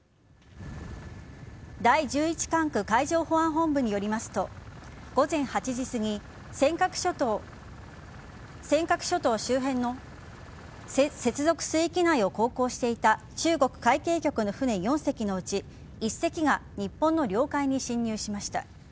第１１管区海上保安本部によりますと午前８時すぎ尖閣諸島周辺の接続水域内を航行していた中国海警局の船４隻のうち１隻が日本の領海に侵入しました。